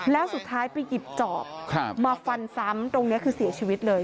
แล้วสุดท้ายไปหยิบจอบมาฟันซ้ำตรงนี้คือเสียชีวิตเลย